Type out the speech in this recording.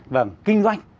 vâng kinh doanh